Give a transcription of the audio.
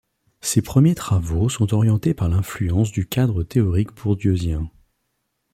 Ses premiers travaux sont orientés par l'influence du cadre théorique bourdieusien.